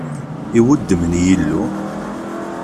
I wuddem n Yillu!